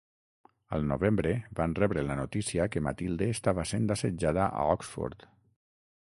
Al novembre van rebre la notícia que Matilde estava sent assetjada a Oxford.